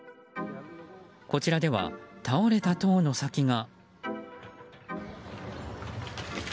こちらでは、倒れた塔の先が。